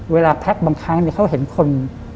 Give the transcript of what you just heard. แพ็คบางครั้งเขาเห็นคน